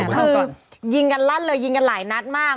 คือยิงกันลั่นเลยยิงกันหลายนัดมาก